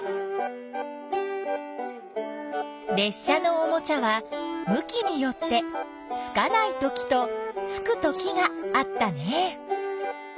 車のおもちゃは向きによってつかないときとつくときがあったね。